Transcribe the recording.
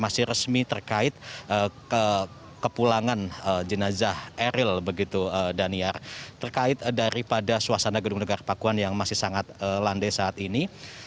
masih resmi terkait kepulangan jenazah eril begitu daniar terkait daripada suasana gedung negara pakuan yang masih sangat landai saat ini